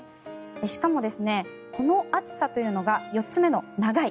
しかも、この暑さというのが４つ目の長い。